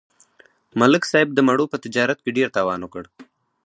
ملک صاحب د مڼو په تجارت کې ډېر تاوان وکړ